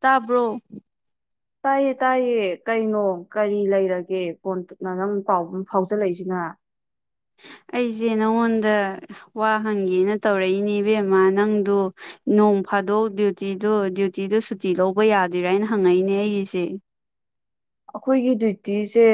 ꯇꯥꯕ꯭ꯔꯣ ꯇꯥꯏꯌꯦ ꯇꯥꯏꯌꯦ ꯀꯩꯅꯣ ꯀꯔꯤ ꯂꯩꯔꯒꯦ ꯐꯣꯟꯗꯨꯅ ꯅꯪ ꯄꯥꯎ ꯐꯥꯎꯖꯤꯜꯂꯛꯏꯁꯤꯅ ꯑꯩꯁꯦ ꯅꯪꯉꯣꯟꯗ ꯋꯥ ꯍꯪꯒꯦꯅ ꯇꯧꯔꯛꯏꯅꯦ ꯏꯕꯦꯝꯃ ꯅꯪꯗ ꯅꯣꯡ ꯐꯥꯗꯣꯛ ꯗ꯭ꯌꯨꯇꯤꯗꯣ ꯗ꯭ꯌꯨꯇꯤꯗꯨ ꯁꯨꯇꯤ ꯂꯧꯕ ꯌꯥꯗꯣꯏꯔꯥ ꯍꯥꯏꯅ ꯍꯪꯉꯛꯏꯅꯦ ꯑꯩꯒꯤꯁꯦ ꯑꯩꯈꯣꯏꯒꯤ ꯗ꯭ꯌꯨꯇꯤꯁꯦ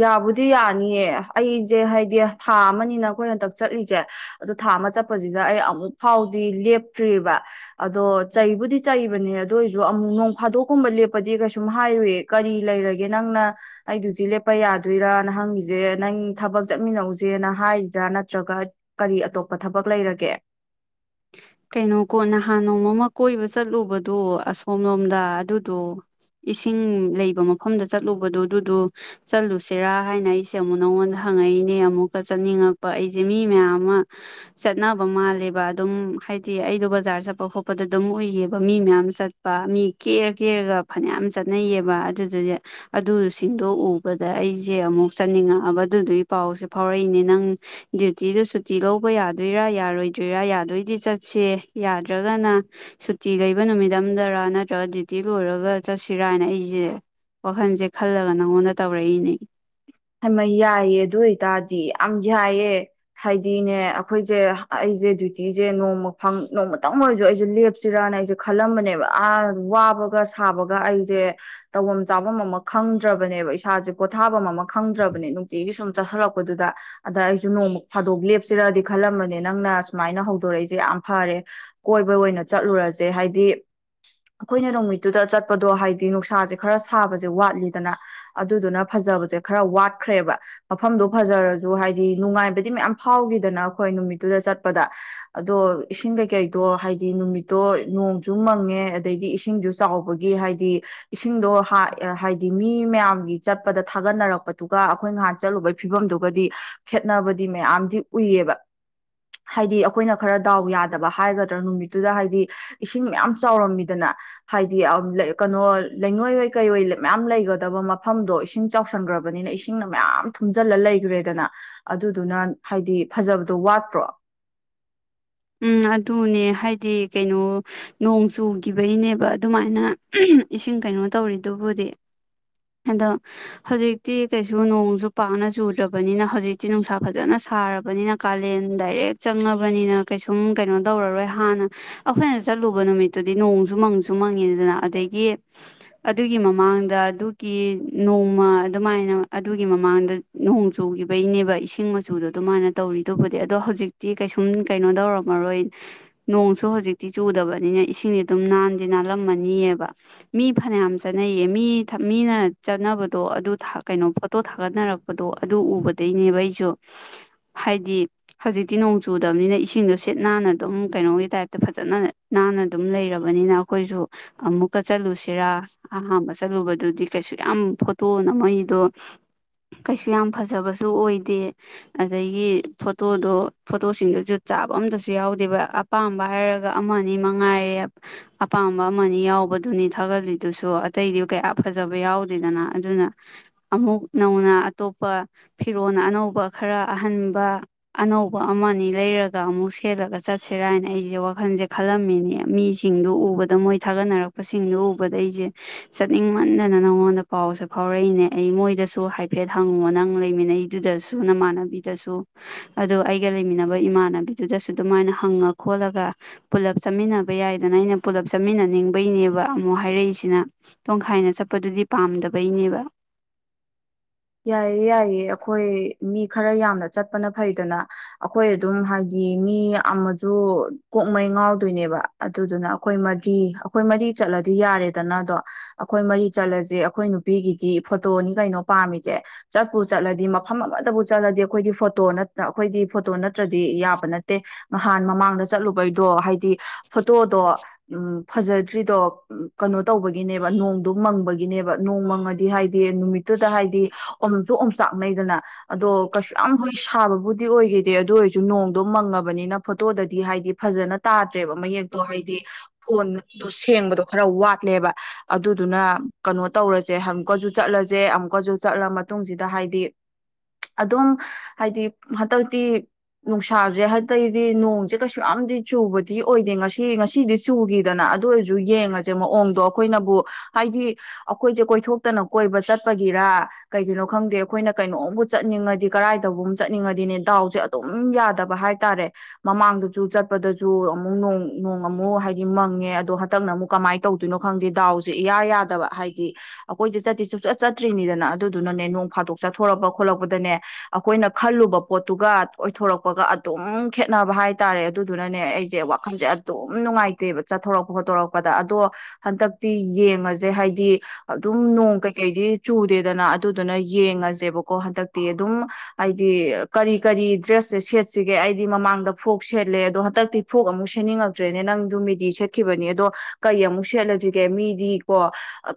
ꯌꯥꯕꯨꯗꯤ ꯌꯥꯅꯤꯌꯦ ꯑꯩꯁꯦ ꯍꯥꯏꯗꯤ ꯊꯥ ꯑꯃꯅꯤꯅ ꯑꯩꯈꯣꯏ ꯍꯟꯗꯛ ꯆꯠꯂꯤꯁꯦ ꯑꯗꯣ ꯊꯥ ꯑꯃ ꯆꯠꯄꯁꯤꯗ ꯑꯩ ꯑꯃꯨꯛ ꯐꯥꯎꯗꯤ ꯂꯦꯞꯇ꯭ꯔꯤꯑꯕ ꯑꯗꯣ ꯆꯩꯕꯨꯗꯤ ꯆꯩꯕꯅꯦ ꯑꯗꯨ ꯑꯣꯏꯔꯁꯨ ꯑꯃꯨꯛ ꯅꯣꯡ ꯐꯥꯗꯣꯛꯀꯨꯝꯕ ꯂꯦꯞꯄꯗꯤ ꯀꯩꯁꯨꯝ ꯍꯥꯏꯔꯨꯏ ꯀꯔꯤ ꯂꯩꯔꯒꯦ ꯅꯪꯅ ꯑꯩ ꯗ꯭ꯌꯨꯇꯤ ꯂꯦꯞꯄ ꯌꯥꯗꯣꯏꯔꯥꯅ ꯍꯪꯉꯁꯦ ꯅꯪ ꯊꯕꯛ ꯆꯠꯃꯤꯟꯅꯧꯁꯦꯅ ꯍꯥꯏꯔꯤꯕ꯭ꯔꯥ ꯅꯠꯇ꯭ꯔꯒ ꯀꯔꯤ ꯑꯇꯣꯞꯄ ꯊꯕꯛ ꯂꯩꯔꯒꯦ ꯀꯩꯅꯣ ꯀꯣ ꯅꯍꯥꯟ ꯅꯣꯡꯃ ꯀꯣꯏꯕ ꯆꯠꯂꯨꯕꯗꯣ ꯑꯁꯣꯝꯂꯣꯝꯗ ꯑꯗꯨꯗꯣ ꯏꯁꯤꯡ ꯂꯩꯕ ꯃꯐꯝꯗ ꯆꯠꯂꯨꯕꯗꯣ ꯑꯗꯨꯗꯨ ꯆꯠꯂꯨꯁꯤꯔꯥ ꯍꯥꯏꯅ ꯑꯩꯁꯦ ꯑꯃꯨꯛ ꯅꯉꯣꯟꯗ ꯍꯪꯉꯛꯏꯅꯦ ꯑꯃꯨꯛꯀ ꯆꯠꯅꯤꯡꯉꯛꯄ ꯑꯩꯁꯦ ꯃꯤ ꯃꯌꯥꯝ ꯑꯃ ꯆꯠꯅꯕ ꯃꯥꯜꯂꯦꯕ ꯑꯗꯨꯝ ꯍꯥꯏ ꯗꯤ ꯑꯩꯗꯣ ꯕꯖꯥꯔ ꯆꯠꯄ ꯈꯣꯠꯄꯗ ꯑꯗꯨꯝ ꯎꯏꯌꯦꯕ ꯃꯤ ꯃꯌꯥꯝ ꯆꯠꯄ ꯃꯤ ꯀꯦꯔ ꯀꯦꯔꯒ ꯐꯅꯌꯥꯝ ꯆꯠꯅꯩꯌꯦꯕ ꯑꯗꯨꯗꯨꯗꯤ ꯑꯗꯨꯁꯤꯡꯗꯣ ꯎꯕꯗ ꯑꯩꯁꯦ ꯑꯃꯨꯛ ꯆꯠꯅꯤꯡꯉꯛꯑꯕ ꯑꯗꯨꯗꯨꯒꯤ ꯄꯥꯎꯁꯦ ꯐꯥꯎꯔꯛꯏꯅꯦ ꯅꯪ ꯗ꯭ꯌꯨꯇꯤꯗꯨ ꯁꯨꯇꯤ ꯂꯧꯕ ꯌꯥꯗꯣꯏꯔꯥ ꯌꯥꯔꯣꯏꯗꯣꯏꯔꯥ ꯌꯥꯗꯣꯏꯗꯤ ꯆꯠ ꯁꯦ ꯌꯥꯗ꯭ꯔꯒꯅ ꯁꯨꯇꯤ ꯂꯩꯕ ꯅꯨꯃꯤꯠ ꯑꯝꯗꯔ ꯅꯠꯇ꯭ꯔꯒ ꯗ꯭ꯌꯨꯇꯤ ꯂꯣꯏꯔꯒ ꯆꯠꯁꯤꯔꯥꯅ ꯑꯩꯁꯦ ꯋꯥꯈꯜꯁꯦ ꯈꯜꯂꯒ ꯅꯪꯉꯣꯟꯗ ꯇꯧꯔꯛꯏꯅꯦ ꯍꯥꯏꯃ ꯌꯥꯏꯌꯦ ꯑꯗꯨ ꯑꯣꯏꯇꯥꯔꯗꯤ ꯌꯥꯝ ꯌꯥꯏꯌꯦ ꯍꯥꯏꯗꯤꯅꯦ ꯑꯩꯈꯣꯏꯁꯦ ꯑꯩꯁꯦ ꯗ꯭ꯌꯨꯇꯦ ꯅꯣꯡꯃ ꯅꯣꯡꯃꯇꯪ ꯑꯣꯏꯁꯨ ꯑꯩꯁꯦ ꯂꯦꯞꯁꯤꯔꯅ ꯑꯩꯁꯦ ꯈꯜꯂꯝꯕꯅꯦꯕ ꯑꯥ ꯋꯥꯕꯒ ꯁꯥꯕꯒ ꯑꯩꯁꯦ ꯇꯧꯐꯝ ꯆꯥꯐꯝ ꯑꯃ ꯈꯪꯗ꯭ꯔꯕꯅꯦꯕ ꯏꯁꯥꯁꯦ ꯄꯣꯊꯥꯐꯝ ꯑꯃ ꯈꯪꯗ꯭ꯔꯕꯅꯦ ꯅꯨꯡꯇꯤꯒꯤ ꯁꯨꯝ ꯆꯠꯁꯤꯜꯂꯛꯄꯗꯨꯗ ꯑꯗ ꯑꯩꯁꯨ ꯅꯣꯡꯃ ꯐꯥꯗꯣꯛ ꯂꯦꯞꯁꯤꯔꯗꯤ ꯈꯜꯂꯝꯕꯅꯦ ꯅꯪꯅ ꯁꯨꯃꯥꯏꯅ ꯍꯧꯗꯣꯔꯛꯏꯁꯦ ꯌꯥꯝ ꯐꯔꯦ ꯀꯣꯏꯕ ꯑꯣꯏꯅ ꯆꯠꯂꯨꯔꯁꯦ ꯍꯥꯏꯗꯤ ꯑꯩꯈꯣꯏꯅ ꯅꯨꯃꯤꯠꯇꯨꯗ ꯆꯠꯄꯗꯣ ꯍꯥꯏꯗꯤ ꯅꯨꯡꯁꯥꯁꯦ ꯈꯔ ꯁꯥꯕꯁꯦ ꯋꯥꯠꯂꯤꯗꯅ ꯑꯗꯨꯗꯨꯅ ꯐꯖꯕꯁꯦ ꯈꯔ ꯋꯥꯠꯈ꯭ꯔꯦꯕ ꯃꯐꯝꯗꯣ ꯐꯖꯔꯁꯨ ꯍꯥꯏꯗꯤ ꯅꯨꯡꯉꯥꯏꯕꯗꯤ ꯃꯌꯥꯝ ꯐꯥꯎꯈꯤꯗꯅ ꯑꯩꯈꯣꯏ ꯅꯨꯃꯤꯠꯇꯨꯗ ꯆꯠꯄꯗ ꯑꯗꯣ ꯏꯁꯤꯡ ꯀꯩꯀꯩꯗꯣ ꯍꯥꯏꯗꯤ ꯅꯨꯃꯤꯠꯇꯣ ꯅꯣꯡꯁꯨ ꯃꯪꯉꯦ ꯑꯗꯩꯗꯤ ꯏꯁꯤꯡꯁꯨ ꯆꯥꯎꯕꯒꯤ ꯍꯥꯏꯗꯤ ꯏꯁꯤꯡꯗꯣ ꯍꯥꯏꯗꯤ ꯃꯤ ꯃꯌꯥꯝꯒꯤ ꯆꯠꯄꯗ ꯊꯥꯒꯠꯅꯔꯛꯄ ꯗꯨꯨꯒ ꯑꯩꯈꯣꯏ ꯅꯍꯥꯟ ꯆꯠꯂꯨꯕꯒꯤ ꯐꯤꯕꯝꯗꯨꯒꯗꯤ ꯈꯦꯠꯅꯕꯗꯤ ꯃꯌꯥꯝꯗꯤ ꯎꯏꯌꯦꯕ ꯍꯥꯏꯗꯤ ꯑꯩꯈꯣꯏꯅ ꯈꯔ ꯗꯥꯎ ꯌꯥꯗꯕ ꯍꯥꯏꯒꯗ꯭ꯔꯥ ꯅꯨꯃꯤꯠꯇꯨꯗ ꯍꯥꯏꯗꯤ ꯏꯁꯤꯡ ꯃꯌꯥꯝ ꯆꯥꯎꯔꯝꯃꯤꯗꯅ ꯍꯥꯏꯗꯤ ꯀꯩꯅꯣ ꯂꯩꯉꯣꯏ ꯑꯏ ꯀꯩꯏ ꯃꯌꯥꯝ ꯂꯩꯒꯗꯕ ꯃꯐꯝꯗꯣ ꯏꯁꯤꯡ ꯆꯥꯎꯁꯟꯈ꯭ꯔꯕ ꯕꯅꯤꯅ ꯏꯁꯤꯡꯅ ꯃꯌꯥꯝ ꯊꯨꯝꯖꯤꯜꯂ ꯂꯩꯈ꯭ꯔꯦꯗꯅ ꯑꯗꯨꯗꯨꯅ ꯍꯥꯏꯗꯤ ꯐꯖꯕꯗꯣ ꯋꯥꯠꯇ꯭ꯔꯣ ꯎꯝ ꯑꯗꯨꯅꯦ ꯍꯥꯏꯗꯤ ꯀꯩꯅꯣ ꯅꯣꯡ ꯆꯨꯈꯤꯕꯒꯤꯅꯦꯕ ꯑꯗꯨꯃꯥꯏꯅ ꯏꯁꯤꯡ ꯀꯩꯅꯣ ꯇꯧꯔꯤꯗꯨꯕꯨꯗꯤ ꯑꯗꯣ ꯍꯧꯖꯤꯛꯇꯤ ꯀꯩꯁꯨ ꯅꯣꯡꯁꯨ ꯄꯥꯛꯅ ꯆꯨꯗ꯭ꯔꯕꯅꯤꯅ ꯍꯧꯖꯤꯛꯇꯤ ꯅꯨꯡꯁꯥ ꯐꯖꯅ ꯁꯥꯔꯕꯅꯤꯅ ꯀꯥꯂꯦꯟ ꯗꯥꯏꯔꯦꯛ ꯆꯪꯉꯕꯅꯤꯅ ꯀꯩꯁꯨꯝ ꯀꯩꯅꯣ ꯇꯧꯔꯔꯣꯏ ꯍꯥꯟꯅ ꯑꯩꯈꯣꯏꯅ ꯆꯠꯂꯨꯕ ꯅꯨꯃꯤꯠꯇꯨꯗꯤ ꯅꯣꯡꯁꯨ ꯃꯪꯁꯨ ꯃꯪꯉꯤꯗꯅ ꯑꯗꯒꯤ ꯑꯗꯨꯒꯤ ꯃꯃꯥꯡꯗ ꯑꯗꯨ ꯀꯤ ꯅꯣꯡꯃ ꯑꯗꯨꯃꯥꯏꯅ ꯑꯗꯨꯒꯤ ꯃꯃꯥꯡꯗ ꯅꯣꯡ ꯆꯨꯈꯤꯕꯒꯤꯅꯦꯕ ꯏꯁꯤꯡ ꯃꯆꯨꯗꯣ ꯑꯗꯨꯃꯥꯏꯅ ꯇꯧꯔꯤꯗꯨꯕꯨꯗꯤ ꯑꯗꯣ ꯍꯧꯖꯤꯛꯇꯤ ꯀꯩꯁꯨꯝ ꯀꯩꯅꯣ ꯇꯧꯔꯝꯃꯔꯣꯏ ꯅꯣꯡꯁꯨ ꯍꯧꯖꯤꯛꯇꯤ ꯆꯨꯗꯕꯅꯤꯅ ꯏꯁꯤꯡꯗꯤ ꯑꯗꯨꯝ ꯅꯥꯟꯗꯤꯦ ꯅꯥꯜꯂꯝꯃꯅꯤꯑꯕ ꯃꯤ ꯐꯅꯌꯥꯝ ꯆꯠꯅꯩꯌꯦ ꯃꯤ ꯃꯤꯅ ꯆꯠꯅꯕꯗꯣ ꯑꯗꯨ ꯀꯩꯅꯣ ꯐꯣꯇꯣ ꯊꯥꯒꯠꯅꯔꯛꯄꯗꯣ ꯑꯗꯨ ꯎꯕꯗꯩꯅꯦꯕ ꯑꯩꯁꯨ ꯍꯥꯏꯗꯤ ꯍꯧꯖꯤꯛꯇꯤ ꯅꯣꯡ ꯆꯨꯗꯕꯅꯤꯅ ꯏꯁꯤꯡꯗꯣ ꯁꯤꯠ ꯅꯥꯟꯅ ꯑꯗꯨꯝ ꯀꯩꯅꯣꯒꯤ ꯇꯥꯏꯞꯇ ꯐꯖꯅ ꯅꯥꯟꯅ ꯑꯗꯨꯝ ꯂꯩꯔꯕꯅꯤꯅ ꯑꯩꯈꯣꯏꯁꯨ ꯑꯃꯨꯛꯀ ꯆꯠꯂꯨꯁꯤꯔꯥ ꯑꯍꯥꯝꯕ ꯆꯠꯂꯨꯕꯗ ꯑꯗꯨꯗꯤ ꯀꯩꯁꯨ ꯌꯥꯝ ꯐꯣꯇꯣ ꯅꯃꯤꯏꯗꯣ ꯃꯣꯏꯗꯣ ꯀꯩꯁꯨ ꯌꯥꯝ ꯐꯖꯕꯁꯨ ꯑꯣꯏꯗꯦ ꯑꯗꯒꯤ ꯐꯣꯇꯣꯗꯣ ꯐꯣꯇꯣꯁꯤꯡꯗꯨꯁꯨ ꯆꯥꯕ ꯑꯝꯇꯁꯨ ꯌꯥꯎꯗꯦꯕ ꯑꯄꯥꯝꯕ ꯍꯥꯏꯔꯒ ꯑꯃ ꯑꯅꯤ ꯃꯉꯥꯏꯔꯦ ꯑꯄꯥꯝꯕ ꯑꯃ ꯌꯥꯎꯕꯗꯨꯅꯤ ꯊꯥꯒꯠꯂꯤꯗꯨꯁꯨ ꯑꯇꯩꯗꯤ ꯀꯌꯥ ꯐꯖꯕ ꯌꯥꯎꯗꯦꯗꯅ ꯑꯗꯨꯅ ꯑꯃꯨꯛ ꯅꯧꯅ ꯑꯇꯣꯞꯄ ꯐꯤꯔꯣꯜ ꯑꯅꯧꯕ ꯈꯔ ꯑꯍꯟꯕ ꯑꯅꯧꯕ ꯑꯃꯅꯤ ꯂꯩꯔꯒ ꯑꯃꯨꯛ ꯁꯦꯠꯂꯒ ꯆꯠꯁꯤꯔꯥꯅ ꯑꯩꯁꯦ ꯋꯥꯈꯜꯁꯦ ꯈꯜꯂꯝꯃꯤꯅꯦ ꯃꯤꯁꯤꯡꯗꯨ ꯎꯕꯗ ꯃꯣꯏ ꯊꯥꯒꯠꯅꯔꯛꯄꯁꯤꯡꯗꯨ ꯎꯕꯗ ꯑꯩꯁꯦ ꯆꯠꯅꯤꯡꯕ ꯈꯟꯗꯅ ꯅꯪꯉꯣꯟꯗ ꯄꯥꯎꯁꯦ ꯐꯥꯎꯔꯛꯏꯅꯦ ꯑꯩ ꯃꯣꯏꯗꯁꯨ ꯍꯥꯏꯐꯦꯠ ꯍꯪꯉꯣ ꯅꯪ ꯂꯩꯃꯤꯟꯅꯩꯗꯨꯗꯁꯨ ꯅꯃꯥꯟꯅꯕꯤꯗꯁꯨ ꯑꯗꯣ ꯑꯩꯒ ꯂꯩꯃꯤꯟꯅꯕ ꯏꯃꯥꯟꯅꯕꯤꯗꯨꯗꯁꯨ ꯑꯗꯨꯃꯥꯏꯅ ꯍꯪꯉ ꯈꯣꯠꯂꯒ ꯄꯨꯂꯞ ꯆꯥꯃꯤꯟꯅꯕ ꯌꯥꯏꯗꯅ ꯑꯩꯅ ꯄꯨꯜꯂꯞ ꯆꯥꯃꯤꯟꯅꯅꯤꯡꯕꯩꯅꯦꯕ ꯑꯃꯨꯛ ꯍꯥꯏꯔꯛꯏꯁꯤꯅ ꯍꯥꯏꯅ ꯆꯠꯄꯗꯨꯗꯤ ꯄꯥꯝꯗꯕꯩꯅꯦꯕ ꯌꯥꯏꯌꯦ ꯌꯥꯏꯌꯦ ꯑꯩꯈꯣꯏ ꯃꯤ ꯈꯔ ꯌꯥꯝꯅ ꯆꯠꯄꯅ ꯐꯩꯗꯅ ꯑꯩꯈꯣꯏ ꯑꯗꯨꯝ ꯍꯥꯏꯗꯤ ꯃꯤ ꯑꯃꯁꯨ ꯀꯣꯛꯃꯩ ꯉꯥꯎꯗꯣꯏꯅꯦꯕ ꯑꯗꯨꯗꯨꯅ ꯑꯩꯈꯣꯏ ꯃꯔꯤ ꯑꯩꯈꯣꯏ ꯃꯔꯤ ꯆꯠꯂꯗꯤ ꯌꯥꯔꯦꯗꯅ ꯑꯗꯣ ꯑꯩꯈꯣꯏ ꯃꯔꯤ ꯆꯠꯂꯁꯦ ꯑꯩꯈꯣꯏ ꯅꯨꯄꯤꯒꯤꯗꯤ ꯐꯣꯇꯣꯅꯤ ꯀꯩꯅꯣ ꯄꯥꯝꯃꯤꯗ ꯁꯦ ꯆꯠꯄꯨ ꯆꯠꯂꯗꯤ ꯃꯐꯝ ꯑꯃꯗꯕꯨ ꯆꯠꯂꯗꯤ ꯑꯩꯈꯣꯏꯒꯤ ꯐꯣꯇꯣ ꯑꯩꯈꯣꯏꯒꯤ ꯐꯣꯇꯣ ꯅꯠꯇ꯭ꯔꯗꯤ ꯌꯥꯕ ꯅꯠꯇꯦ ꯅꯍꯥꯟ ꯃꯃꯥꯡꯗ ꯆꯠꯂꯨꯕꯩꯗꯣ ꯍꯥꯏꯗꯤ ꯐꯣꯇꯣꯗꯣ ꯎꯝ ꯐꯖꯗ꯭ꯔꯤꯗꯣ ꯀꯩꯅꯣ ꯇꯧꯕꯒꯤꯅꯦꯕ ꯅꯣꯡꯗꯣ ꯃꯪꯕꯒꯤꯅꯦꯕ ꯅꯣꯡ ꯃꯪꯉꯗꯤ ꯍꯥꯏꯗꯤ ꯅꯨꯃꯤꯠꯇꯨꯗ ꯍꯥꯏꯗꯤ ꯑꯣꯝꯁꯨ ꯑꯣꯝꯆꯥꯛꯅꯩꯗꯅ ꯑꯗꯣ ꯀꯩꯁꯨ ꯌꯥꯝ ꯍꯣꯏ ꯁꯥꯕꯕꯨꯗꯤ ꯑꯣꯏꯈꯤꯗꯦ ꯑꯗꯨ ꯑꯣꯏꯔꯁꯨ ꯅꯣꯡꯗꯣ ꯃꯪꯉꯕꯅꯤꯅ ꯐꯣꯇꯣꯗꯗꯤ ꯍꯥꯏꯗꯤ ꯐꯖꯅ ꯇꯥꯗ꯭ꯔꯦꯕ ꯃꯌꯦꯛꯇꯣ ꯍꯥꯏꯗꯤ ꯐꯣꯟꯗꯣ ꯁꯦꯡꯕꯗꯣ ꯈꯔ ꯋꯥꯠꯂꯦꯕ ꯑꯗꯨꯗꯨꯅ ꯀꯩꯅꯣ ꯇꯧꯔꯁꯦ ꯑꯃꯨꯛꯀꯁꯨ ꯆꯠꯂꯁꯦ ꯑꯃꯨꯛꯀꯁꯨ ꯆꯠꯂ ꯃꯇꯨꯡꯁꯤꯗ ꯍꯥꯏꯗꯤ ꯑꯗꯨꯝ ꯍꯥꯏꯗꯤ ꯍꯟꯗꯛꯇꯤ ꯅꯨꯡꯁꯥꯁꯦ ꯍꯗꯇꯩꯗꯤ ꯅꯣꯡꯁꯦ ꯀꯩꯁꯨ ꯌꯥꯝꯗꯤ ꯆꯨꯕꯗꯤ ꯑꯣꯏꯗꯦ ꯉꯁꯤ ꯉꯁꯤꯗꯤ ꯆꯨꯈꯤꯗꯅ ꯑꯗꯨ ꯑꯣꯏꯔꯁꯨ ꯌꯦꯡꯉꯁꯦ ꯃꯑꯣꯡꯗꯣ ꯑꯩꯈꯣꯏꯅꯕꯨ ꯍꯥꯏꯗꯤ ꯑꯩꯈꯣꯏꯁꯦ ꯀꯣꯏꯊꯣꯛꯇꯅ ꯀꯣꯏꯕ ꯆꯠꯄꯒꯤꯔ ꯀꯩꯒꯤꯅꯣ ꯈꯪꯗꯦ ꯑꯩꯈꯣꯏꯅ ꯀꯩꯅꯣꯝꯕꯨ ꯆꯠꯅꯤꯡꯉꯗꯤ ꯀꯔꯥꯏꯗꯕꯨ ꯑꯃ ꯆꯠꯅꯤꯡꯉꯗꯤꯅꯦ ꯗꯥꯎꯁꯦ ꯑꯗꯨꯝ ꯌꯥꯗꯕ ꯍꯥꯏꯇꯥꯔꯦ ꯃꯃꯥꯡꯗꯁꯨ ꯆꯠꯄꯗꯁꯨ ꯑꯃꯨꯛ ꯅꯣꯡ ꯑꯃꯨꯛ ꯍꯥꯏꯗꯤ ꯃꯪꯉꯦ ꯑꯗꯣ ꯍꯟꯗꯛꯅ ꯑꯃꯨꯛ ꯀꯃꯥꯏꯅ ꯇꯧꯗꯣꯏꯅꯣ ꯈꯪꯗꯦ ꯗꯥꯎꯁꯦ ꯏꯌꯥꯔ ꯌꯥꯗꯕ ꯍꯥꯏꯗꯤ ꯑꯩꯈꯣꯏꯗꯤꯦ ꯆꯠꯇ ꯆꯠꯆꯠ ꯆꯠꯇ꯭ꯔꯤꯅꯤꯗꯅ ꯑꯗꯨꯗꯨꯅꯅꯦ ꯅꯣꯡ ꯐꯥꯗꯣꯛ ꯆꯠꯊꯣꯔꯛꯄ ꯈꯣꯠꯂꯛꯄꯗꯅꯦ ꯑꯩꯈꯣꯏꯅ ꯈꯜꯂꯨꯕ ꯄꯣꯠꯇꯨꯒ ꯑꯣꯏꯊꯣꯔꯛꯄꯒ ꯑꯗꯨꯝ ꯈꯦꯠꯅꯕ ꯍꯥꯏꯇꯥꯔꯦ ꯑꯗꯨꯗꯨꯅꯅꯦ ꯑꯩꯁꯦ ꯋꯥꯈꯜꯁꯦ ꯑꯗꯨꯝ ꯅꯨꯡꯉꯥꯏꯇꯦꯕ ꯆꯠꯊꯣꯔꯛꯄ ꯈꯣꯠꯇꯣꯔꯛꯄꯗ ꯑꯗꯣ ꯍꯟꯗꯛꯇꯤ ꯌꯦꯡꯉꯁꯦ ꯍꯥꯏꯗꯤ ꯑꯗꯨꯝ ꯅꯣꯡ ꯀꯩꯀꯩꯗꯤ ꯆꯨꯗꯦꯗꯅ ꯑꯗꯨꯗꯨꯅ ꯌꯦꯡꯉꯁꯦꯕꯀꯣ ꯍꯟꯗꯛꯇꯤ ꯑꯗꯨꯝ ꯍꯥꯏꯗꯤ ꯀꯔꯤ ꯀꯔꯤ ꯗ꯭ꯔꯦꯁꯁꯦ ꯁꯦꯠꯁꯤꯒꯦ ꯑꯩꯗꯤ ꯃꯃꯥꯡꯗ ꯐ꯭ꯔꯣꯛ ꯁꯦꯠꯂꯦ ꯑꯗꯣ ꯍꯟꯗꯛꯇꯤ ꯐ꯭ꯔꯣꯛ ꯑꯃꯨꯛ ꯁꯦꯠꯅꯤꯡꯉꯛꯇ꯭ꯔꯦꯅꯦ ꯅꯪꯁꯨ ꯃꯤꯦꯗꯤ ꯁꯦꯠꯈꯤꯕꯅꯤ ꯑꯗꯣ ꯀꯔꯤ ꯑꯃꯨꯛ ꯁꯦꯠꯂꯁꯤꯒꯦ ꯃꯤꯗꯤꯀꯣ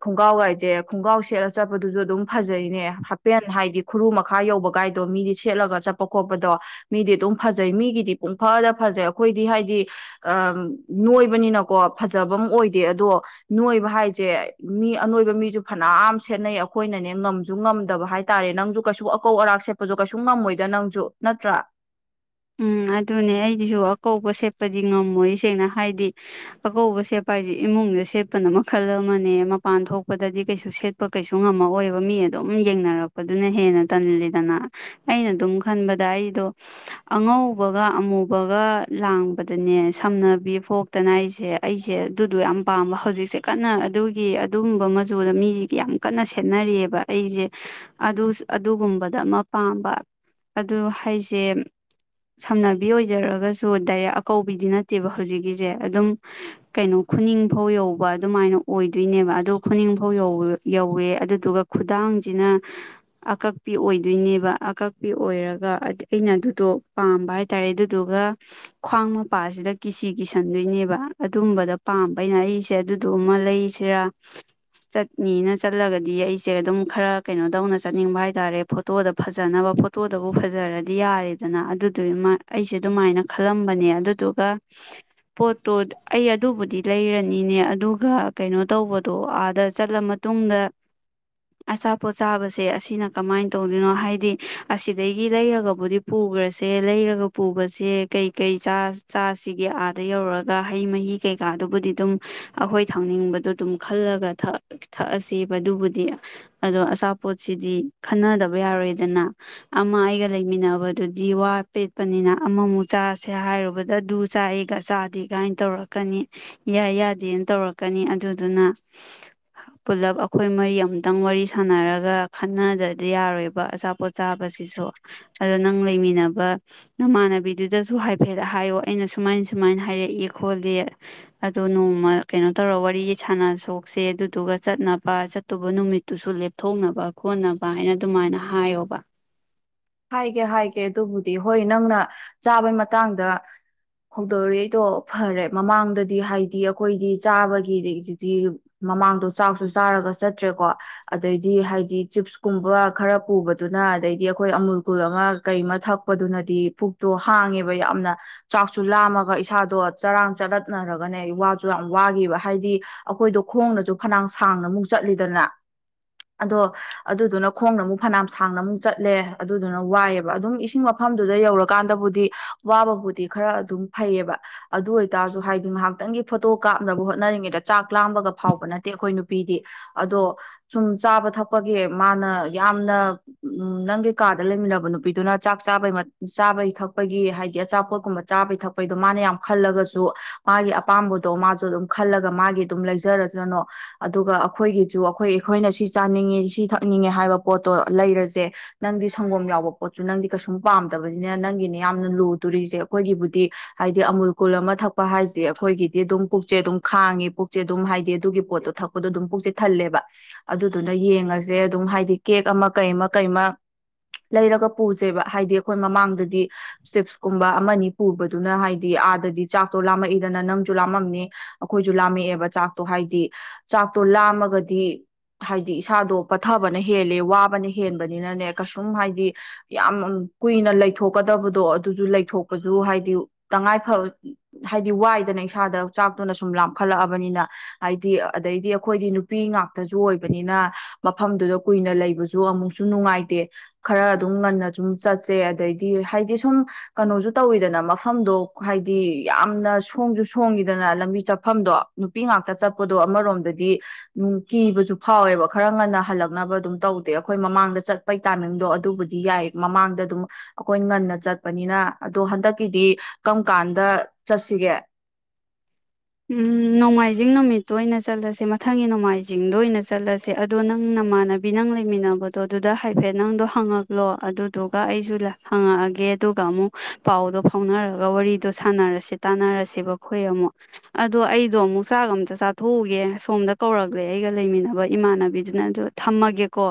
ꯈꯣꯡꯒ꯭ꯔꯥꯎ ꯍꯥꯏꯥꯏꯁꯦ ꯈꯣꯡꯒ꯭ꯔꯥꯎ ꯁꯦꯠꯂ ꯆꯠꯄꯗꯨꯁꯨ ꯑꯗꯨꯝ ꯐꯖꯩꯅꯦ ꯍꯥꯄꯦꯟ ꯍꯥꯏꯗꯤ ꯈꯨꯔꯨ ꯃꯈꯥ ꯌꯧꯕ ꯀꯥꯏꯗꯣ ꯃꯤꯗꯤ ꯁꯦꯠꯂꯒ ꯆꯠꯄ ꯈꯣꯠꯄꯗꯣ ꯃꯤꯗꯤ ꯑꯗꯨꯝ ꯐꯖꯩ ꯃꯤꯒꯤꯗꯤ ꯄꯨꯡ ꯐꯗ ꯐꯖꯩ ꯑꯩꯈꯣꯏꯗꯤ ꯍꯥꯏꯗꯤ ꯑ ꯅꯣꯏꯕꯅꯤꯅꯀꯣ ꯐꯖꯕ ꯑꯃ ꯑꯣꯏꯗꯦ ꯑꯗꯣ ꯅꯣꯏꯕ ꯍꯥꯏꯁꯦ ꯃꯤ ꯑꯅꯣꯏꯕ ꯃꯤꯁꯨ ꯐꯅꯌꯥꯝ ꯁꯦꯠꯅꯩ ꯑꯩꯈꯣꯏꯅꯅꯦ ꯉꯝꯁꯨ ꯉꯝꯗꯕ ꯍꯥꯏꯇꯥꯔꯦ ꯅꯪꯁꯨ ꯀꯩꯁꯨ ꯑꯀꯧ ꯑꯔꯥꯛ ꯁꯦꯠꯄꯁꯨ ꯀꯩꯁꯨ ꯉꯝꯃꯣꯏꯗ ꯅꯪꯁꯨ ꯅꯠꯇ꯭ꯔꯥ ꯎꯝ ꯑꯗꯨꯅꯦ ꯑꯩꯗꯤꯁꯨ ꯑꯀꯧꯕ ꯁꯦꯠꯄꯗꯤ ꯉꯝꯃꯣꯏ ꯁꯦꯡꯅ ꯍꯥꯏꯗꯤ ꯑꯀꯧꯕ ꯁꯦꯠꯄ ꯍꯥꯏꯁꯦ ꯏꯃꯨꯡꯗ ꯁꯦꯠꯄꯅ ꯃꯈꯜ ꯑꯃꯅꯦ ꯃꯄꯥꯟ ꯊꯣꯛꯄꯗꯗꯤ ꯀꯩꯁꯨ ꯁꯦꯠꯄ ꯀꯩꯁꯨ ꯉꯝꯃꯛꯑꯣꯏꯕ ꯃꯤ ꯑꯗꯨꯝ ꯌꯦꯡꯅꯔꯛꯄꯗꯨꯅ ꯍꯦꯟꯅ ꯇꯜꯂꯤꯗꯅ ꯑꯩꯅ ꯑꯗꯨꯝ ꯈꯟꯕꯗ ꯑꯩꯗꯣ ꯑꯉꯧꯕꯒ ꯑꯃꯨꯕꯒ ꯂꯥꯡꯕꯗꯅꯦ ꯁꯝꯅꯕꯤ ꯐꯣꯛꯇꯅ ꯑꯩꯁꯦ ꯑꯩꯁꯦ ꯑꯗꯨꯗꯣ ꯌꯥꯝ ꯄꯥꯝꯕ ꯍꯧꯖꯤꯛꯁꯦ ꯀꯟꯅ ꯑꯗꯨꯒꯤ ꯑꯗꯨꯒꯨꯝꯕ ꯃꯆꯨꯗ ꯃꯤꯁꯤꯒ ꯌꯥꯝ ꯀꯟꯅ ꯁꯦꯠꯅꯔꯤꯑꯕ ꯑꯩꯁꯦ ꯑꯗꯨꯒꯨꯝꯕꯗ ꯑꯃ ꯄꯥꯝꯕ ꯑꯗꯨ ꯍꯥꯏꯁꯦ ꯁꯝꯅꯕꯤ ꯑꯣꯏꯖꯔꯒꯁꯨ ꯗꯥꯏꯔꯦꯛ ꯑꯀꯧꯕꯤꯗꯤ ꯅꯠꯇꯦꯕ ꯍꯧꯖꯤꯛꯀꯤꯁꯦ ꯑꯗꯨꯝ ꯀꯩꯅꯣ ꯈꯨꯅꯤꯡꯐꯧ ꯌꯧꯕ ꯑꯗꯨꯃꯥꯏꯅ ꯑꯣꯏꯗꯣꯏꯅꯦꯕ ꯑꯗ ꯈꯨꯅꯤꯡꯐꯧ ꯌꯧꯋꯦ ꯑꯗꯨꯗꯨꯒ ꯈꯨꯗꯥꯡꯁꯤꯅ ꯑꯀꯛꯄꯤ ꯑꯣꯏꯗꯣꯏꯅꯦꯕ ꯑꯀꯛꯄꯤ ꯑꯣꯏꯔꯒ ꯑꯩꯅ ꯑꯗꯨꯣ ꯄꯥꯝꯕ ꯍꯥꯏꯇꯥꯔꯦ ꯑꯗꯨꯗꯨꯒ ꯈ꯭ꯋꯥꯡ ꯃꯄꯥꯁꯤꯗ ꯀꯤꯁꯤ ꯀꯤꯁꯟꯗꯣꯏꯅꯦꯕ ꯑꯗꯨꯝꯕꯗ ꯄꯥꯝꯕ ꯑꯩꯅ ꯑꯩꯁꯦ ꯑꯗꯨꯗꯨꯃ ꯂꯩꯁꯤꯔꯥ ꯆꯠꯅꯤꯅ ꯆꯠꯂꯒꯗꯤ ꯑꯩꯁꯦ ꯑꯗꯨꯝ ꯈꯔ ꯀꯩꯅꯣ ꯇꯧꯅ ꯆꯠꯅꯤꯡꯕ ꯍꯥꯏꯇꯥꯔꯦ ꯐꯣꯇꯣꯗ ꯐꯖꯅꯕ ꯐꯣꯇꯣꯗꯕꯨ ꯐꯖꯔꯗꯤ ꯌꯥꯔꯦ ꯑꯗꯨꯅ ꯑꯗꯨꯗꯨ ꯑꯩꯁꯦ ꯑꯗꯨꯃꯥꯏꯅ ꯈꯜꯂꯝꯕꯅꯦ ꯑꯗꯨꯗꯨꯒ ꯄꯣꯠꯇꯣ ꯑꯩ ꯑꯗꯨꯕꯨꯗꯤ ꯂꯩꯔꯅꯤꯅꯦ ꯑꯗꯨꯒ ꯀꯩꯅꯣ ꯇꯧꯕꯗꯣ ꯑꯥꯗ ꯆꯠꯂ ꯃꯇꯨꯡꯗ ꯑꯆꯥꯄꯣꯠ ꯆꯥꯕꯁꯦ ꯑꯁꯤꯅ ꯀꯃꯥꯏꯅ ꯇꯧꯗꯣꯏꯅꯣ ꯍꯥꯏꯗꯤ ꯑꯁꯤꯗꯒꯤ ꯂꯩꯔꯒꯕꯨꯗꯤ ꯄꯨꯈ꯭ꯔꯁꯦ ꯂꯩꯔꯒ ꯄꯨꯕꯁꯦ ꯀꯩꯀꯩ ꯆꯥ ꯆꯥꯁꯤꯒꯤ ꯑꯥꯗ ꯌꯧꯔꯒ ꯍꯩ ꯃꯍꯤ ꯀꯩꯀꯥꯗꯨꯕꯨꯗꯤ ꯑꯗꯨꯝ ꯑꯩꯈꯣꯏ ꯊꯥꯡꯅꯤꯡꯕꯗꯣ ꯑꯗꯨꯝ ꯈꯜꯂꯒ ꯊꯛꯑꯁꯦꯕ ꯑꯗꯨꯕꯨꯗꯤ ꯑꯗꯣ ꯑꯆꯥꯄꯣꯠꯁꯤꯗꯤ ꯈꯟꯅꯗꯕ ꯌꯥꯔꯣꯏꯗꯅ ꯑꯃ ꯑꯩꯒ ꯂꯩꯃꯤꯟꯅꯕ ꯑꯗꯨꯗꯤ ꯋꯥ ꯄꯦꯠꯄꯅꯤꯅ ꯑꯃꯃꯨꯛ ꯆꯥꯁꯦ ꯍꯥꯏꯔꯨꯕꯗ ꯗꯨ ꯆꯥꯏꯒ ꯆꯥꯗꯦ ꯀꯥꯏꯅ ꯇꯧꯔꯛꯀꯅꯤ ꯌꯥꯏ ꯌꯥꯗꯦꯅ ꯇꯧꯔꯛꯀꯅꯤ ꯑꯗꯨꯗꯨꯅ ꯄꯨꯂꯞ ꯑꯩꯈꯣꯏ ꯃꯔꯤ ꯑꯃꯝꯇꯪ ꯋꯥꯔꯤ ꯁꯥꯟꯅꯔꯒ ꯈꯠꯟꯅꯗꯗꯤ ꯌꯥꯔꯣꯏꯕ ꯑꯆꯥꯄꯣꯠ ꯆꯥꯕꯁꯤꯁꯨ ꯑꯗꯣ ꯅꯪ ꯂꯩꯃꯤꯟꯅꯕ ꯅꯃꯥꯟꯅꯕꯤꯗꯨꯗꯁꯨ ꯍꯥꯏꯐꯦꯠ ꯍꯥꯏꯌꯣ ꯑꯩꯅ ꯁꯨꯃꯥꯏ ꯁꯨꯃꯥꯏꯅ ꯍꯥꯏꯔꯛꯏ ꯈꯣꯠꯂ ꯑꯗꯣ ꯅꯣꯡꯃ ꯀꯩꯅꯣ ꯇꯧꯔꯒ ꯋꯥꯔꯤ ꯁꯥꯟꯅ ꯁꯣꯛꯁꯦ ꯑꯗꯨꯗꯨꯒ ꯆꯠꯅꯕ ꯆꯠꯇꯨꯕ ꯅꯨꯃꯤꯠꯇꯨꯁꯨ ꯂꯦꯞꯊꯣꯛꯅꯕ ꯈꯣꯠꯅꯕ ꯍꯥꯏꯅ ꯑꯗꯨꯃꯥꯏꯅ ꯍꯥꯏꯌꯣꯕ ꯍꯥꯏꯒꯦ ꯍꯥꯏꯒꯦ ꯑꯗꯨꯕꯨꯗꯤ ꯍꯣꯏ ꯅꯪꯅ ꯆꯥꯕꯩ ꯃꯇꯥꯡꯗ ꯍꯧꯗꯧꯔꯤꯗꯣ ꯐꯔꯦ ꯃꯃꯥꯡꯗꯗꯤ ꯍꯥꯏꯗꯤ ꯑꯩꯈꯣꯏꯗꯤ ꯆꯥꯕꯒꯤꯗꯤ ꯃꯃꯥꯡꯗꯣ ꯆꯥꯛꯁꯨ ꯆꯥꯔꯒ ꯆꯠꯇ꯭ꯔꯦꯀꯣ ꯑꯗꯩꯗꯤ ꯍꯥꯏꯗꯤ ꯆꯤꯞꯁꯀꯨꯝꯕ ꯈꯔ ꯄꯨꯕꯗꯨꯅ ꯑꯗꯩꯗꯤ ꯑꯩ ꯑꯩꯈꯣꯏ ꯑꯃꯨꯜ ꯀꯨꯜ ꯑꯃ ꯀꯩ ꯑꯃ ꯊꯛꯄꯗꯨꯅꯗꯤ ꯄꯨꯛꯇꯣ ꯍꯥꯡꯉꯦꯕ ꯌꯥꯝꯅ ꯆꯥꯛꯁꯨ ꯂꯥꯝꯃꯒ ꯏꯁꯥꯗꯣ ꯆꯔꯥꯡ ꯆꯔꯠꯅꯔꯒꯅꯦ ꯋꯥꯁꯨ ꯌꯥꯝ ꯋꯥꯈꯤꯕ ꯍꯥꯏꯗꯤ ꯑꯩꯈꯣꯏꯗꯣ ꯈꯣꯡꯅꯁꯨ ꯐꯅꯌꯥꯝ ꯁꯥꯡꯅ ꯑꯃꯨꯛ ꯆꯠꯂꯤꯗꯅ ꯑꯗꯣ ꯑꯗꯨꯗꯨꯅ ꯈꯣꯡꯅ ꯑꯃꯨꯛ ꯐꯅꯌꯥꯝ ꯁꯥꯡꯅ ꯑꯃꯨꯛ ꯆꯠꯂꯦ ꯑꯗꯨꯗꯨꯅ ꯋꯥꯏꯑꯦꯕ ꯑꯗꯨꯝ ꯏꯁꯤꯡ ꯃꯐꯝꯗꯨꯗ ꯌꯧꯔꯀꯥꯟꯗꯕꯨꯗꯤ ꯋꯥꯕꯕꯨꯗꯤ ꯈꯔ ꯑꯗꯨꯝ ꯐꯩꯌꯦꯕ ꯑꯗꯨ ꯑꯣꯏꯇꯥꯔꯁꯨ ꯍꯥꯏꯗꯤ ꯉꯥꯏꯍꯥꯛꯇꯪꯒꯤ ꯐꯣꯇꯣ ꯀꯥꯞꯅꯕ ꯍꯣꯠꯅꯔꯤꯉꯩꯗ ꯆꯥꯛ ꯂꯥꯡꯕꯒ ꯐꯥꯎꯕ ꯅꯠꯇꯦ ꯑꯩꯈꯣꯏ ꯅꯨꯄꯤꯗꯤ ꯑꯗꯣ ꯁꯨꯝ ꯆꯥꯕ ꯊꯛꯄꯒꯤ ꯃꯥꯅ ꯌꯥꯝꯅ ꯅꯪꯒꯤ ꯀꯥꯗ ꯂꯩꯃꯤꯟꯅꯕ ꯅꯨꯄꯤꯗꯨꯅ ꯆꯥꯛ ꯆꯥꯕꯩ ꯆꯥꯕꯩ ꯊꯛꯄꯒꯤ ꯍꯥꯏꯗꯤ ꯑꯆꯥꯄꯣꯠꯀꯨꯝꯕ ꯆꯥꯕꯩ ꯊꯛꯄꯒꯤꯗꯣ ꯃꯥꯅ ꯌꯥꯝ ꯈꯜꯂꯒꯁꯨ ꯃꯥꯒꯤ ꯑꯄꯥꯝꯕꯗꯣ ꯃꯥꯁꯨ ꯑꯗꯨꯝ ꯈꯜꯂꯒ ꯃꯥꯒꯤ ꯑꯗꯨꯝ ꯂꯩꯖꯔꯁꯅꯣ ꯑꯗꯨꯒ ꯑꯩꯈꯣꯏꯒꯤꯁꯨ ꯑꯩꯈꯣꯏ ꯑꯩꯈꯣꯏꯅ ꯁꯤ ꯆꯥꯅꯤꯡꯉꯤ ꯁꯤ ꯊꯛꯅꯤꯡꯉꯦ ꯍꯥꯏꯕ ꯄꯣꯠꯇꯣ ꯂꯩꯔꯁꯦ ꯅꯪꯗꯤ ꯁꯪꯒꯣꯝ ꯌꯥꯎꯕ ꯄꯣꯠꯁꯨ ꯅꯪꯗꯤ ꯀꯩꯁꯨꯝ ꯄꯥꯝꯗꯕꯅꯤꯅ ꯅꯪꯒꯤꯅꯦ ꯌꯥꯝꯅ ꯂꯨꯗꯣꯔꯤꯁꯦ ꯑꯩꯈꯣꯏꯒꯤꯕꯨꯗꯤ ꯍꯥꯏꯗꯤ ꯑꯃꯨꯜ ꯀꯨꯜ ꯑꯃ ꯊꯛꯄ ꯍꯥꯏꯁꯦ ꯑꯩꯈꯣꯏꯒꯤꯗꯤ ꯑꯗꯨꯝ ꯄꯨꯛꯆꯦ ꯑꯗꯨꯝ ꯈꯥꯡꯉꯤ ꯄꯨꯛꯆꯦ ꯑꯗꯨꯝ ꯍꯥꯏꯗꯤ ꯑꯗꯨꯒꯤ ꯄꯣꯠꯇꯣ ꯊꯛꯄꯗꯣ ꯑꯗꯨꯝ ꯄꯨꯛꯆꯦ ꯊꯜꯂꯦꯕ ꯑꯗꯨꯗꯨꯅ ꯌꯦꯡꯉꯁꯦ ꯑꯗꯨꯝ ꯍꯥꯏꯗꯤ ꯀꯦꯛ ꯑꯃ ꯀꯩ ꯑꯃ ꯀꯩ ꯑꯃ ꯂꯩꯔꯒ ꯄꯨꯁꯦꯕ ꯍꯥꯏꯗꯤ ꯑꯩꯈꯣꯏ ꯃꯃꯥꯡꯗꯗꯤ ꯆꯤꯞꯁꯀꯨꯝꯕ ꯑꯃꯅꯤ ꯄꯨꯕꯗꯨꯅ ꯍꯥꯏꯗꯤ ꯑꯥꯗꯗꯤ ꯆꯥꯛꯇꯣ ꯂꯥꯝꯃꯛꯏꯗꯅ ꯅꯪꯁꯨ ꯂꯥꯝꯃꯝꯅꯤ ꯑꯩꯈꯣꯏꯁꯨ ꯂꯥꯝꯃꯛꯑꯦꯕ ꯆꯥꯛꯇꯣ ꯍꯥꯏꯗꯤ ꯆꯥꯛꯇꯣ ꯂꯥꯝꯃꯒꯗꯤ ꯍꯥꯏꯗꯤ ꯏꯁꯥꯗꯣ ꯄꯠꯊꯕꯅ ꯍꯦꯜꯂꯦ ꯋꯥꯕꯅ ꯍꯦꯟꯕꯅꯤꯅꯅꯦ ꯀꯩꯁꯨꯝ ꯍꯥꯏꯗꯤ ꯌꯥꯝ ꯀꯨꯏꯅ ꯂꯩꯊꯣꯛꯀꯗꯕꯗꯣ ꯑꯗꯨꯁꯨ ꯂꯩꯊꯣꯛꯄꯁꯨ ꯍꯥꯏꯗꯤ ꯇꯉꯥꯏ ꯐ ꯍꯥꯏꯗꯤ ꯋꯥꯏꯗꯅ ꯏꯁꯥꯗ ꯆꯥꯛꯇꯨꯅ ꯁꯨꯝ ꯂꯥꯝꯈꯠꯂꯛꯑꯕꯅꯤꯅ ꯍꯥꯏꯗꯤ ꯑꯗꯩꯗꯤ ꯑꯩꯈꯣꯏꯗꯤ ꯅꯨꯄꯤ ꯉꯥꯛꯇꯁꯨ ꯑꯣꯏꯕꯅꯤꯅ ꯃꯐꯝꯗꯨꯗ ꯀꯨꯏꯅ ꯂꯩꯕꯁꯨ ꯑꯃꯨꯛꯁꯨ ꯅꯨꯡꯉꯥꯏꯇꯦ ꯈꯔ ꯑꯗꯨꯝ ꯉꯟꯅ ꯁꯨꯝ ꯆꯠꯁꯦ ꯑꯗꯩꯗꯤ ꯍꯥꯏꯗꯤ ꯁꯨꯝ ꯀꯩꯅꯣꯁꯨ ꯇꯧꯋꯤꯗꯅ ꯃꯐꯝꯗꯣ ꯍꯥꯏꯗꯤ ꯌꯥꯝꯅ ꯁꯣꯡꯁꯨ ꯁꯣꯡꯉꯤꯗꯅ ꯂꯝꯕꯤ ꯆꯠꯐꯝꯗꯣ ꯅꯨꯄꯤ ꯉꯥꯛꯇ ꯆꯠꯄꯗꯣ ꯑꯃꯔꯣꯝꯗꯗꯤꯝ ꯀꯤꯕꯁꯨ ꯐꯥꯎꯋꯦꯕ ꯈꯔ ꯉꯟꯅ ꯍꯜꯂꯛꯅꯕ ꯑꯗꯨꯝ ꯇꯧꯗꯦ ꯑꯩꯈꯣꯏ ꯃꯃꯥꯡꯗ ꯆꯠꯄꯒꯤ ꯇꯥꯏꯃꯤꯡꯗꯣ ꯑꯗꯨꯕꯨꯗꯤ ꯌꯥꯏ ꯃꯃꯥꯡꯗ ꯑꯗꯨꯝ ꯑꯩꯈꯣꯏ ꯉꯟꯅ ꯆꯠꯄꯅꯤꯅ ꯑꯗꯣ ꯍꯟꯗꯛꯀꯤꯗꯤ ꯀꯔꯝ ꯀꯥꯟꯗ ꯆꯠꯁꯤꯒꯦ ꯎꯝ ꯅꯣꯡꯃꯥꯏꯖꯤꯡ ꯅꯨꯃꯤꯠꯇꯣ ꯑꯣꯏꯅ ꯆꯠꯂꯁꯦ ꯃꯊꯪꯒꯤ ꯅꯣꯡꯃꯥꯏꯖꯤꯡꯗ ꯑꯣꯏꯅ ꯆꯠꯂꯁꯦ ꯑꯗꯣ ꯅꯪ ꯅꯃꯥꯟꯅꯕꯤ ꯅꯪ ꯂꯩꯃꯤꯟꯅꯕꯗꯣ ꯑꯗꯨꯗ ꯍꯥꯏꯐꯦꯠ ꯅꯪꯗꯣ ꯍꯪꯉꯛꯂꯣ ꯑꯗꯨꯗꯨꯒ ꯑꯩꯁꯨ ꯍꯪꯉꯛꯑꯒꯦ ꯑꯗꯨꯒ ꯑꯃꯨꯛ ꯄꯥꯎꯗꯣ ꯐꯥꯎꯅꯔꯒ ꯋꯥꯔꯤꯗꯣ ꯁꯥꯟꯅꯔꯁꯦ ꯇꯥꯟꯅꯔꯁꯦꯕꯈꯣꯏ ꯑꯃꯨꯛ ꯑꯗꯣ ꯑꯩꯗꯣ ꯑꯃꯨꯛ ꯆꯥꯛꯒ ꯑꯝꯇ ꯆꯥꯊꯣꯛꯎꯒꯦ ꯁꯣꯝꯗ ꯀꯧꯔꯛꯂꯦ ꯑꯩꯒ ꯂꯩꯃꯤꯟꯅꯕ ꯏꯃꯥꯟꯅꯕꯤꯗꯨꯅ ꯑꯗꯨꯗꯣ ꯊꯝꯃꯒꯦꯀꯣ